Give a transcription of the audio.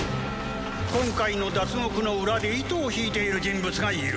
「今回の脱獄の裏で糸を引いている人物がいる」